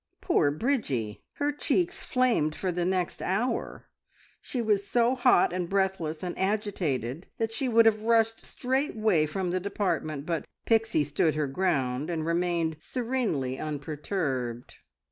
Poor Bridgie! her cheeks flamed for the next hour. She was so hot, and breathless, and agitated that she would have rushed straightway from the department, but Pixie stood her ground and remained serenely unperturbed.